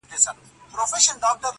کبرجن سو ګمراهي ځني کيدله،